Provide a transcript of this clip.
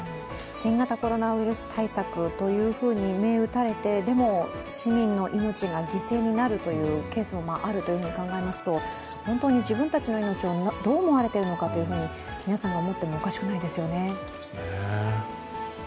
新型コロナウイルス対策を銘打たれてでも、市民の命が犠牲になるケースもあるとなると、本当に自分たちの命をどう思われているのかと皆さんが思っても仕方ないですよね